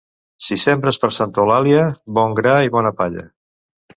Si sembres per Santa Eulàlia, bon gra i bona palla.